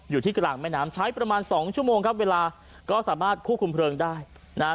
อยู่ที่กลางแม่น้ำใช้ประมาณสองชั่วโมงครับเวลาก็สามารถควบคุมเพลิงได้นะฮะ